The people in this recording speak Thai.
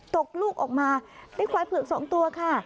ตกลูกออกมาได้ควายเผือก๒ตัวค่ะ